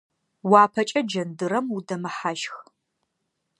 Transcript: Уапэкӏэ джэндырэм удэмыхьащх.